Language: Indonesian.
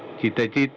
cita cita para penduduk